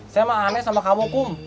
saya mah aneh sama kamu kum